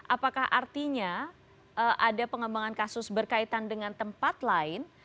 apakah artinya ada pengembangan kasus berkaitan dengan tempat lain